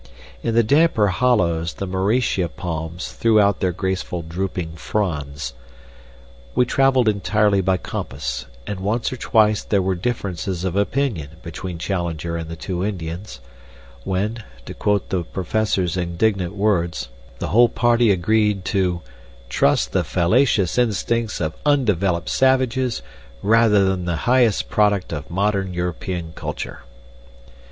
In the damper hollows the Mauritia palms threw out their graceful drooping fronds. We traveled entirely by compass, and once or twice there were differences of opinion between Challenger and the two Indians, when, to quote the Professor's indignant words, the whole party agreed to "trust the fallacious instincts of undeveloped savages rather than the highest product of modern European culture."